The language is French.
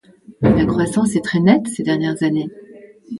La croissance est très nette ces dernières années.